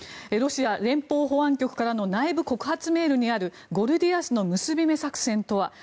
ロシア連邦保安局からの内部告発メールにあるゴルディアスの結び目作戦とは。